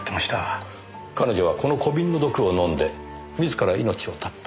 彼女はこの小瓶の毒を飲んで自ら命を絶った？